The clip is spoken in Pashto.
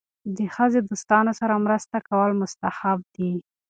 د ښځې دوستانو سره مرسته کول مستحب دي.